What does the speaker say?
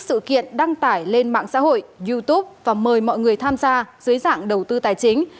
sự kiện đăng tải lên mạng xã hội youtube và mời mọi người tham gia dưới dạng đầu tư tài chính